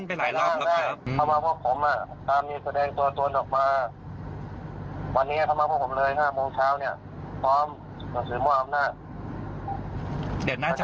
พร้อมหนังสือมัวอับหน้า